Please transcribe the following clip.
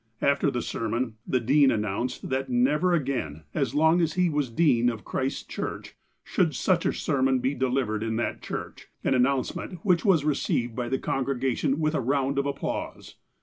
After the sermon, the dean announced that never again, as long as he was dean of Christ's Church, should such a sermon be delivered in that church, an announce ment which was received by the congregation with a round of applause.